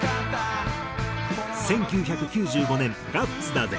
１９９５年『ガッツだぜ！！』